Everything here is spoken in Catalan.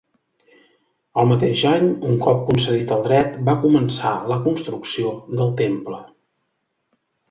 Al mateix any, un cop concedit el dret, va començar la construcció del temple.